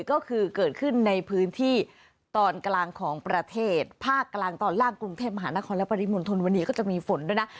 ก็คือเกิดขึ้นในพื้นที่ตอนกลางของประเทศภาคกลางตอนล่างกรุงเทพมหานครและปริมณฑลวันนี้ก็จะมีฝนด้วยนะ